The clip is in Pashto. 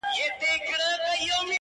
ه کټ مټ لکه ستا غزله”